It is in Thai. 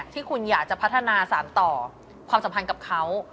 ที่คุณอยากจะพัฒนาสารต่อความสัมพันธ์กับเขา